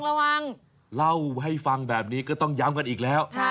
ระวังเล่าให้ฟังแบบนี้ก็ต้องย้ำกันอีกแล้ว